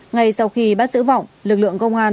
ngay sau khi bắt giữ vọng lực lượng công an